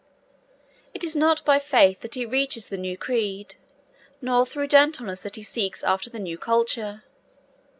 It is not by faith that he reaches the new creed, nor through gentleness that he seeks after the new culture.